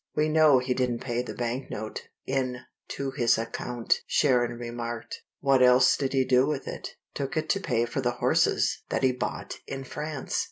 "We know he didn't pay the bank note in to his account," Sharon remarked. "What else did he do with it? Took it to pay for the horses that he bought in France!